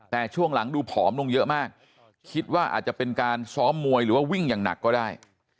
แต่ช่วงหลังดูผอมลงเยอะมากคิดว่าอาจจะเป็นการซ้อมมวยหรือว่าวิ่งอย่างหนักก็ได้